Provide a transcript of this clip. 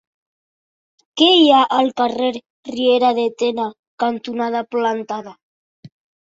Què hi ha al carrer Riera de Tena cantonada Plantada?